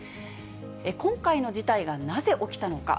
今回の事態がなぜ起きたのか。